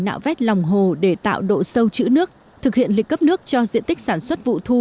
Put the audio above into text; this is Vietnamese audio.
nạo vét lòng hồ để tạo độ sâu chữ nước thực hiện lịch cấp nước cho diện tích sản xuất vụ thu